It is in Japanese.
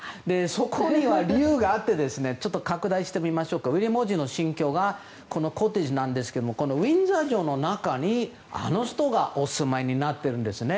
そこには理由があってウィリアム王子の新居がコテージなんですがウィンザー城の中にあの人がお住まいになっているんですね。